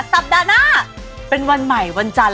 สัปดาห์หน้าเป็นวันใหม่วันจันทร์